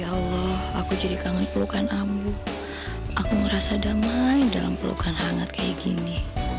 ya allah aku jadi kangen pelukan ambu aku merasa damai dalam pelukan hangat kayak gini